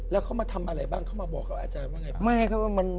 แล้วเขามาทำอะไรบ้างเขามาบอกกับอาจารย์ว่าไง